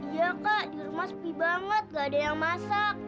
iya kak di rumah sepi banget gak ada yang masak